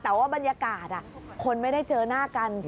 แต่ว่าบรรยากาศคนไม่ได้เจอหน้ากัน